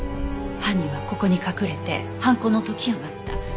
犯人はここに隠れて犯行の時を待った。